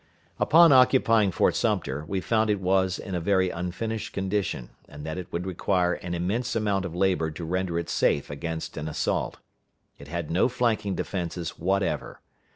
Upon occupying Fort Sumter, we found it was in a very unfinished condition, and that it would require an immense amount of labor to render it safe against an assault. It had no flanking defenses whatever.